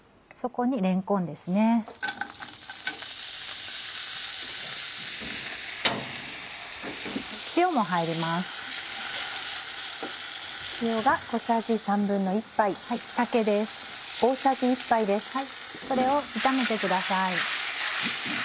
これを炒めてください。